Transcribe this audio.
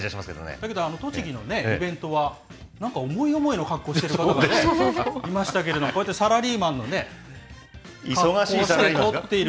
だけど栃木のイベントは、なんか、思い思いの格好している方がいましたけれども、こうやってサラリーマンのね、忙しいじゃないんですか？